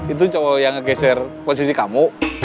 itu yang ngegeser posisi kamu